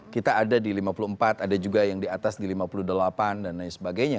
kita ada di lima puluh empat ada juga yang di atas di lima puluh delapan dan lain sebagainya